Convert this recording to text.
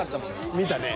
［見たね］